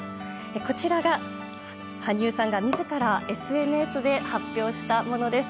こちらが羽生さんが自らＳＮＳで発表したものです。